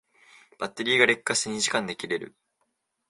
バッテリーが劣化して二時間で切れる